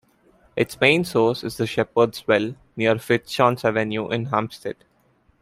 Its main source is the Shepherd's Well near Fitzjohn's Avenue in Hampstead.